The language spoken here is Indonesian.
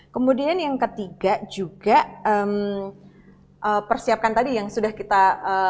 kemudian yang ketiga juga persiapkan tadi yang sudah kita